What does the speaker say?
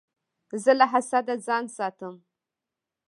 زه له حسده ځان ساتم.